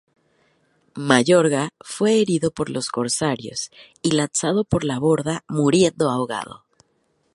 Mayorga fue herido por los corsarios y lanzado por la borda, muriendo ahogado.